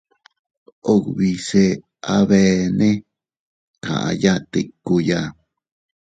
Ubise abeene kaʼaya tikkuya.